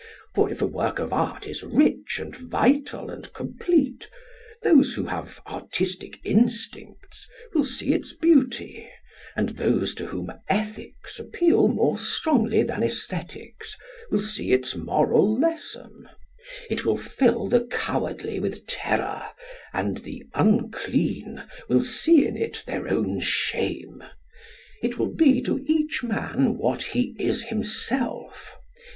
For if a work of art is rich and vital and complete, those who have artistic instincts will see its beauty, and those to whom ethics appeal more strongly than æsthetics will see its moral lesson. It will fill the cowardly with terror, and the unclean will see in it their own shame. It will be to each man what he is himself.